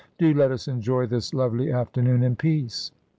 Do let us enjoy this lovely after noon in peace!